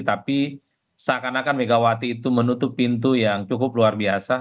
tapi seakan akan megawati itu menutup pintu yang cukup luar biasa